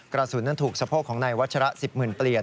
กระสุนนั้นถูกสะโพกของนายวัชระ๑๐หมื่นเปลี่ยน